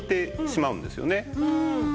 うん。